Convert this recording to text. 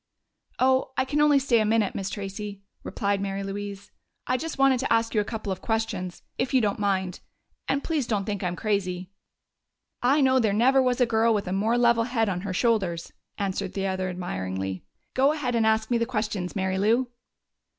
"Oh, I can only stay a minute, Miss Tracey," replied Mary Louise. "I just wanted to ask you a couple of questions, if you don't mind.... And please don't think I'm crazy." "I know there never was a girl with a more level head on her shoulders!" answered the other admiringly. "Go ahead and ask me the questions, Mary Lou."